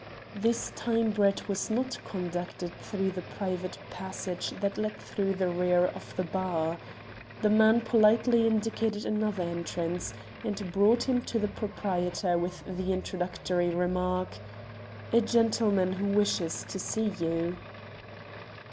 This time Brett was not conducted through the private passage that led through the rear of the bar. The man politely indicated another entrance, and brought him to the proprietor with the introductory remark "A gentleman who wishes to see you."